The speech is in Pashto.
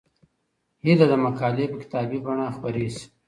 هيله ده مقالې په کتابي بڼه خپرې سي.